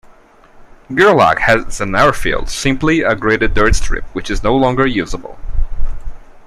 Gerlach has an airfield, simply a graded dirt strip, which is no longer usable.